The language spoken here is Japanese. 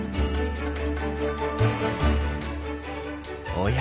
おや？